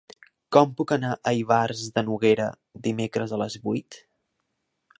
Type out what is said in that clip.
Com puc anar a Ivars de Noguera dimecres a les vuit?